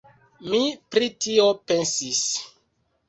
Mi pri tio pensis.